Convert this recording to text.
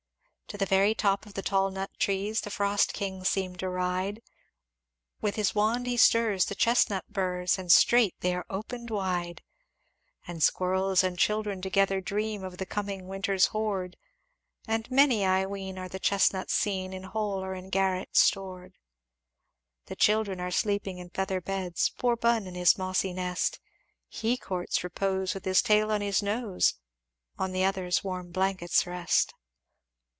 "To the very top of the tall nut trees The frost king seemed to ride; With his wand he stirs the chestnut burs, And straight they are opened wide. "And squirrels and children together dream Of the coming winter's hoard; And many, I ween, are the chestnuts seen In hole or in garret stored. "The children are sleeping in feather beds Poor Bun in his mossy nest, He courts repose with his tail on his nose. On the others warm blankets rest.